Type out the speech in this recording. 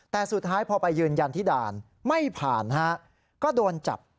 แต่สุดท้ายพอไปยืนยันที่ด่านไม่ผ่านฮะก็โดนจับ